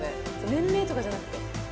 年齢とかじゃなくて。